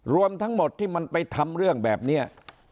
รวมทั้งหมดที่มันไปทำเรื่องแบบนี้